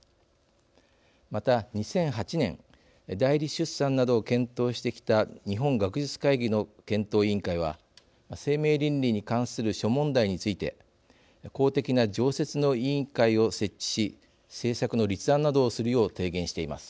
また２００８年代理出産などを検討してきた日本学術会議の検討委員会は生命倫理に関する諸問題について公的な常設の委員会を設置し政策の立案などをするよう提言しています。